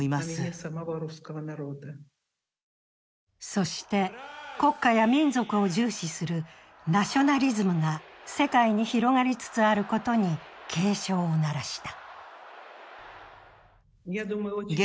そして、国家や民族を重視するナショナリズムが世界に広がりつつあることに警鐘を鳴らした。